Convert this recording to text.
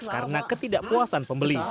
karena ketidakpuasan pembeli